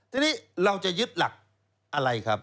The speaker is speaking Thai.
ทีนี้เราจะยึดหลักอะไรครับ